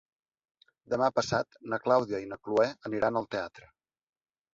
Demà passat na Clàudia i na Cloè aniran al teatre.